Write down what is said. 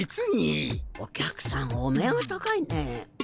お客さんお目が高いね。